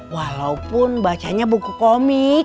walaupun bacanya buku komik